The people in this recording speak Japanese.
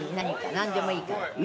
なんでもいいから。